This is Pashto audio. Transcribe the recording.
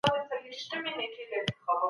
عمل مو سم کړئ.